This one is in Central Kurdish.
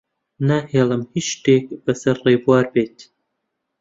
ناهێڵم هیچ شتێک بەسەر ڕێبوار بێت.